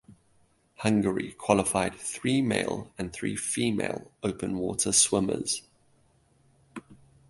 Hungary qualified three male and three female open water swimmers.